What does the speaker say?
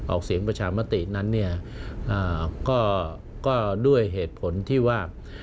ออกเสียงประชามาตินั้นก็ด้วยเหตุผลที่ว่า